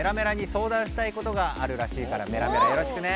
メラメラよろしくね。